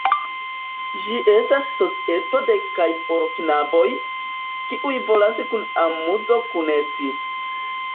Ĝi estas societo de kaj por knaboj, kiuj volas kun amuzo kunesti.